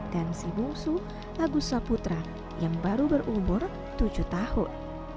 dan si bungsu agusa putra yang baru berumur tujuh tahun